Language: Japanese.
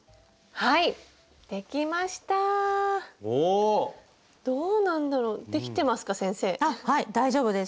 はい大丈夫です。